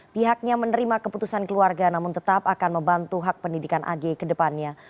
pihaknya menerima keputusan keluarga namun tetap akan membantu hak pendidikan ag ke depannya